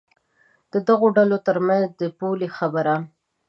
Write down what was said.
د دغو ډلو تر منځ د پولې خبره.